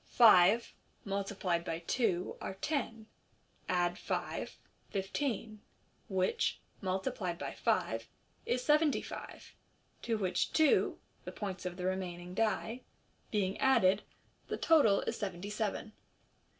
Five multiplied by two are tenj add five, fifteen, which, multiplied by five, is seventy five, to which two (the points of the remaining die) being added, thf total is seventy seven.